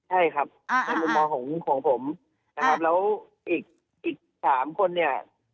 ใช่ครับในมุมมองของผมนะครับแล้วอีกสามคนเนี่ย